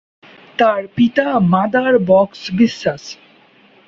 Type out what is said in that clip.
তার পিতা মাদার বক্স বিশ্বাস।